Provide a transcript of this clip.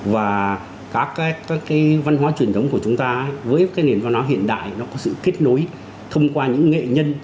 và các cái văn hóa truyền thống của chúng ta với cái nền văn hóa hiện đại nó có sự kết nối thông qua những nghệ nhân